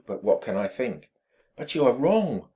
But what can I think?" "But you are wrong!"